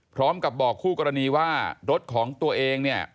พร้อมกับบอกคู่กรณีว่ารถของตัวเองเนี่ย